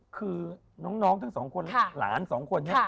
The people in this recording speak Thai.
คือน้องทั้งสองคนหลานสองคนนี้